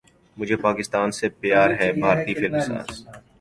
مجھے پاکستان سے پیار ہے بھارتی فلم ساز